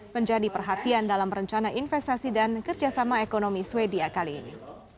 menjadi perhatian dalam rencana investasi dan kerjasama ekonomi swedia kali ini